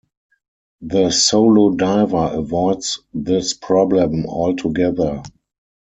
The solo diver avoids this problem altogether.